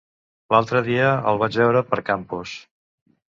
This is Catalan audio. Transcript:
L'altre dia el vaig veure per Campos.